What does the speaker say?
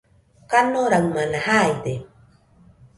kanoraɨmana jaide